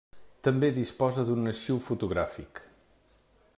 També disposa d'un arxiu fotogràfic.